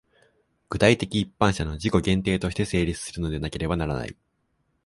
具体的一般者の自己限定として成立するのでなければならない。